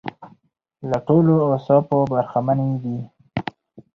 له ټولو اوصافو برخمنې دي.